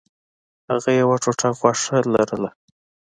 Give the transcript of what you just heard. هغه یوه ټوټه غوښه لرله.